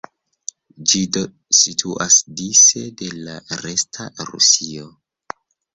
Ĝi do situas dise de la "resta" Rusio.